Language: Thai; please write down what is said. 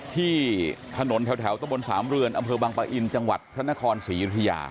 ที่ถนนแถวตะบนสามเรือนอำเภอบังปะอินจังหวัดพระนครศรียุธยา